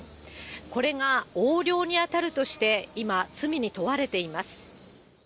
これが横領に当たるとして、今、罪に問われています。